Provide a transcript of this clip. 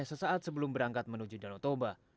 sesaat sebelum berangkat menuju danau toba